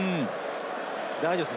大丈夫です。